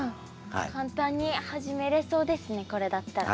簡単に始めれそうですねこれだったら。